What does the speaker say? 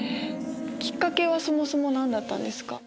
きっかけはそもそも何だったんですか？